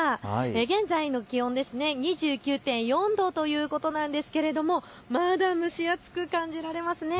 現在の気温２９．４度ということなんですがまだ蒸し暑く感じられます。